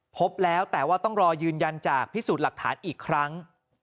พบแล้วแต่ว่าต้องรอยืนยันจากพิสูจน์หลักฐานอีกครั้ง